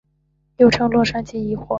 又称洛杉矶疑惑。